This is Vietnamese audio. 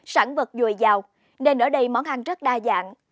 sản vật dồi dào nên ở đây món ăn rất đa dạng